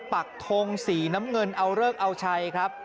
ปักทงสีน้ำเงินเอาเลิกเอาชัยครับ